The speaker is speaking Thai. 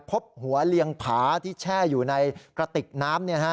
พบหัวเลี้ยงผาที่แช่อยู่ในกระติกน้ำ